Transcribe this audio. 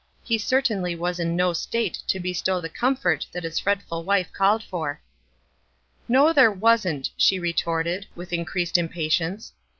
He certainly was in no state to bestow the com fort that his fretful little wife called for. "No, there wasn't," she retorted, with in creased impatience.